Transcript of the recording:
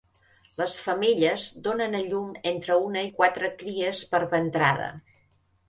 Les femelles donen a llum entre una i quatre cries per ventrada.